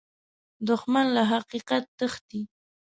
دښمن له حقیقت تښتي